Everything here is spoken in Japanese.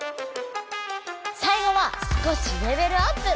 さいごは少しレベルアップ！